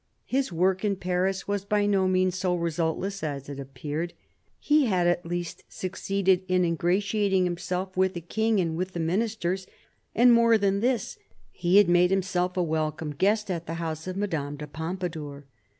His work in Paris was by no means so resultless as it appeared. He had at least succeeded in ingratiating himself with the king and with the ministers. And more than this, he had made himself a welcome guest at the house of Madame de Pompadour.